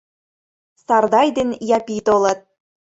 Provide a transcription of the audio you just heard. Сардай ден Япи толыт.